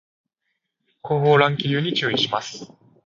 後方乱気流に注意します